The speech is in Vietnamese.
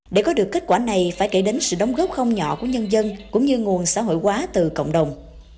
để có được kết quả này phải kể đến sự đóng góp không nhỏ của nhân dân cũng như nguồn xã hội quá từ cộng đồng